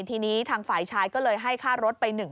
ทีนี้ทางฝ่ายชายก็เลยให้ค่ารถไป๑๐๐